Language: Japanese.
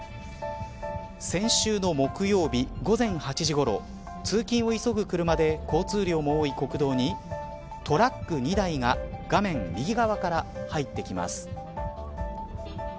先週の木曜日午前８時ごろ通勤を急ぐ車で交通量も多い国道にトラック２台が画面右側から入ってきます。